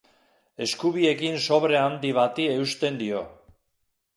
Esku biekin sobre handi bati eusten dio.